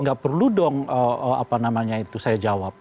nggak perlu dong apa namanya itu saya jawab